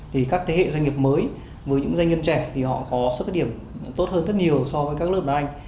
thì các thế hệ doanh nghiệp mới với những doanh nhân trẻ thì họ có xuất phát điểm tốt hơn rất nhiều so với các lớp ở anh